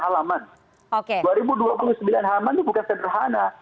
dua ribu dua puluh sembilan halaman itu bukan sederhana